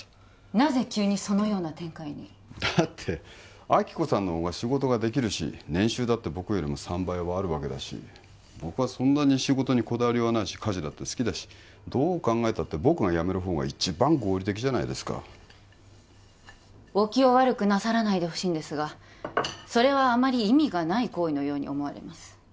なぜ急にそのような展開に？だって亜希子さんのほうが仕事ができるし年収だって僕よりも３倍はあるわけだし僕はそんなに仕事にこだわりはないし家事だって好きだしどう考えたって僕が辞めるほうが一番合理的じゃないですかお気を悪くなさらないでほしいんですがそれはあまり意味がない行為のように思われます